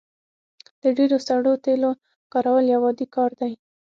د ډیرو سړو تیلو کارول یو عادي کار دی